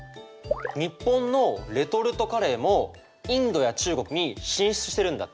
日本のレトルトカレーもインドや中国に進出してるんだって。